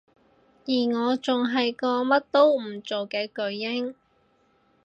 而我仲係個乜都唔做嘅巨嬰